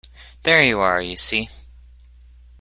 There you are, you see!